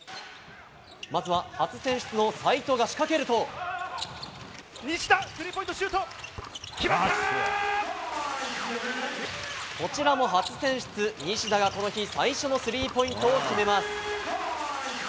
まずは初選出の齋藤が仕掛けるとこちらも初選出西田がこの日最初のスリーポイントを決めます。